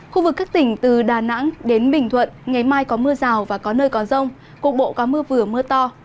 khu vực các tỉnh từ đà nẵng đến bình thuận ngày mai có mưa rào và có nơi có rông cục bộ có mưa vừa mưa to